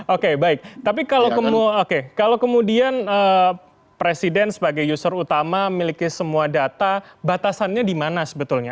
oke baik tapi kalau kemudian presiden sebagai user utama miliki semua data batasannya di mana sebetulnya